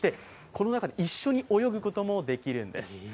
この中で一緒に泳ぐこともできるんです。